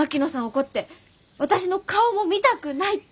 怒って私の顔も見たくないって！